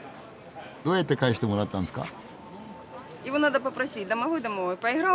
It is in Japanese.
どうやって返してもらったんですか？